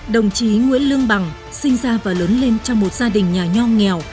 đồng chí nguyễn lương bằng sinh ra và lớn lên trong một gia đình nhà nho nghèo